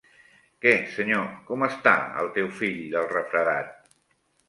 Què, senyor, com està el teu fill del refredat?